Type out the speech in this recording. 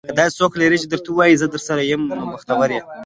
که داسې څوک لرې چې درته وايي, زه درسره یم. نو بختور یې.